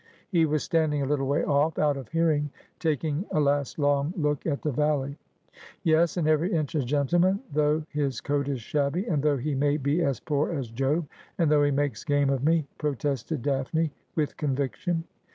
He was standing a little way off, out of hearing, taking a last long look at the valley. ' Yes ; and every inch a gentleman, though his eoat is shabby, and though he may be as poor as Job, and though he makes game of me !' protested Daphne with conviction.